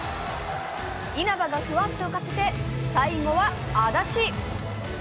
稲場がふわっと浮かせて、最後は足立。